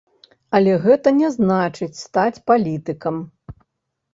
Але гэта не значыць стаць палітыкам.